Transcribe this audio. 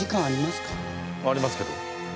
ありますけど。